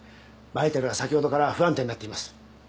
バイタルは先ほどから不安定になっています。